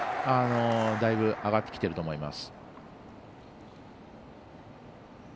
だいぶあがってきていると思います。